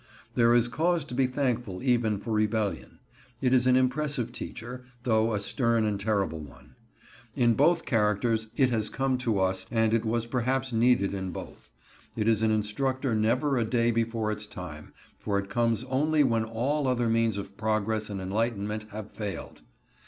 There is cause to be thankful even for rebellion. It is an impressive teacher, though a stern and terrible one. In both characters it has come to us, and it was perhaps needed in both. It is an instructor never a day before its time, for it comes only when all other means of progress and enlightenment have failed.